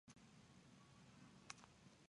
荣获国立编译馆优良漫画奖三次。